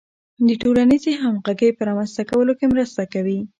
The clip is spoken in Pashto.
د ټولنیزې همغږۍ په رامنځته کولو کې مرسته کوي.